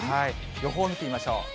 予報見てみましょう。